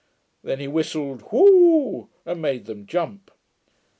Then he whistled, WHU! and made them jump.